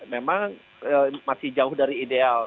memang masih jauh dari ideal